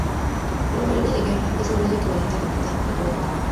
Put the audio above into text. En la marina de guerra es el grado equivalente a capitán de corbeta.